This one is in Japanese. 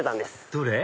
どれ？